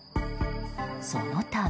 そのため。